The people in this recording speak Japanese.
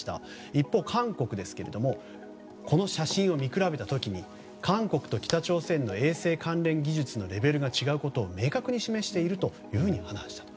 一方、韓国ですがこの写真を見比べた時に韓国と北朝鮮の衛星関連技術のレベルが違うことを明確に示しているというふうに話したと。